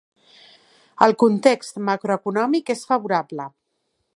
El context macroeconòmic és favorable.